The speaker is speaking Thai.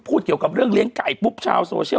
เกี่ยวกับเรื่องเลี้ยงไก่ปุ๊บชาวโซเชียล